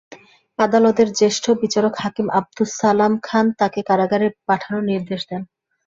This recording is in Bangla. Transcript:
আদালতের জ্যেষ্ঠ বিচারিক হাকিম আবদুস ছালাম খান তাঁকে কারাগারে পাঠানোর নির্দেশ দেন।